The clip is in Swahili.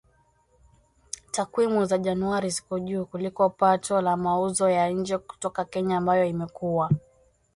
Takwimu za Januari ziko juu kuliko pato la mauzo ya nje kutoka Kenya ambayo imekuwa